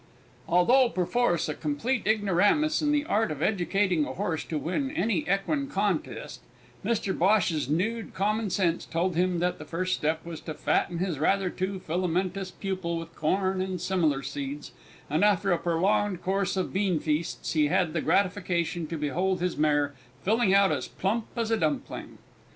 Although perforce a complete ignoramus in the art of educating a horse to win any equine contest, Mr Bhosh's nude commonsense told him that the first step was to fatten his rather too filamentous pupil with corn and similar seeds, and after a prolonged course of beanfeasts he had the gratification to behold his mare filling out as plump as a dumpling.